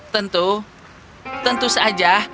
tentu tentu saja